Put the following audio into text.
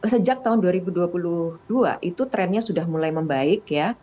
sejak tahun dua ribu dua puluh dua itu trennya sudah mulai membaik ya